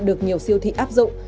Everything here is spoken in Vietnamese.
được nhiều siêu thị áp dụng